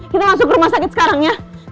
kita langsung ke rumah sakit sekarang ya